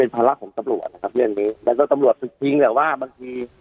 ภาระของตำรวจนะครับเรื่องนี้แล้วก็ตำรวจศึกทิ้งแต่ว่าบางที